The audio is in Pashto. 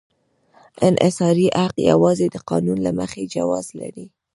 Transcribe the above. انحصاري حق یوازې د قانون له مخې جواز لري.